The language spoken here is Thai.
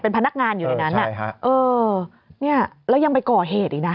พนักงานอยู่ในนั้นเออเนี่ยแล้วยังไปก่อเหตุอีกนะ